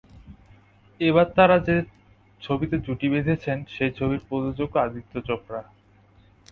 এবার তাঁরা যে ছবিতে জুটি বাঁধছেন, সেই ছবির প্রযোজকও আদিত্য চোপড়া।